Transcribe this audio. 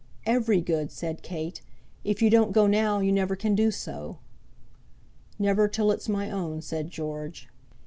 "Every good," said Kate. "If you don't go now you never can do so." "Never till it's my own," said George.